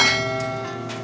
ini dia handphonenya